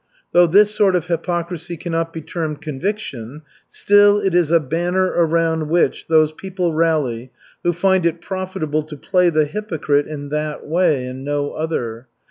Though this sort of hypocrisy cannot be termed conviction, still it is a banner around which those people rally who find it profitable to play the hypocrite in that way and no other.